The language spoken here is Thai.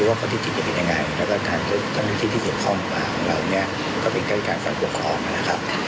แล้วก็การเลือกการเลือกที่ที่เห็นข้อมูลภาพของเราเนี้ยก็เป็นการการการปลูกคอร์มนะครับ